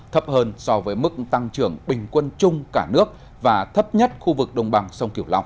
thấp hơn so với mức tăng trưởng bình quân chung cả nước và thấp nhất khu vực đồng bằng sông kiểu lọc